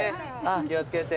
お気を付けて。